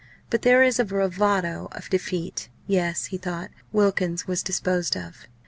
But there is a bravado of defeat. Yes! he thought Wilkins was disposed of.